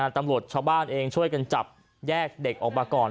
ตำรวจชาวบ้านเองช่วยกันจับแยกเด็กออกมาก่อน